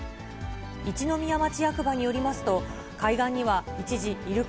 一宮町役場によりますと、海岸には一時イルカ